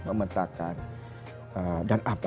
memetakan dan apa